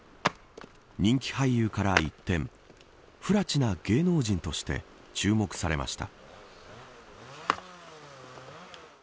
人気俳優から一転ふらちな芸能人として注目されました。